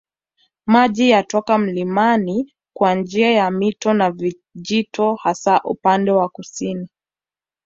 Maji yatoka mlimani kwa njia ya mito na vijito hasa upande wa kusini